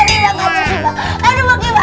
aduh gak terima gak terima